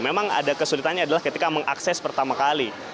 memang ada kesulitannya adalah ketika mengakses pertama kali